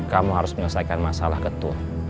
kamu harus menyelesaikan masalah ketua